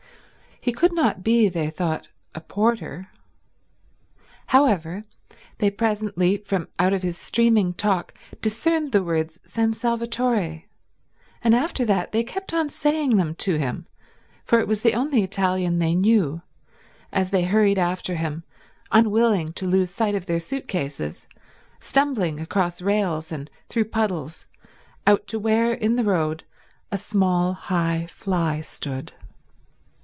He could not be, they thought, a porter. However, they presently from out of his streaming talk discerned the words San Salvatore, and after that they kept on saying them to him, for it was the only Italian they knew, as they hurried after him, unwilling to lose sight of their suit cases, stumbling across rails and through puddles out to where in the road a small, high fly stood.